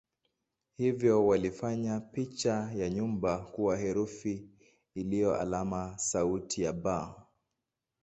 Hivyo walifanya picha ya nyumba kuwa herufi iliyo alama ya sauti "b".